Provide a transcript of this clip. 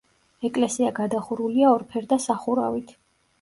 ეკლესია გადახურულია ორფერდა სახურავით.